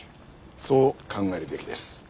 そう考えるべきです。